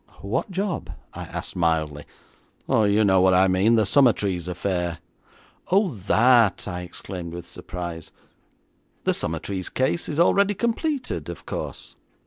'What job?' I asked mildly. 'Oh, you know what I mean: the Summertrees affair.' 'Oh, that!' I exclaimed, with surprise. 'The Summertrees case is already completed, of course.